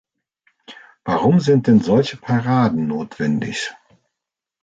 Warum sind denn solche Paraden notwendig?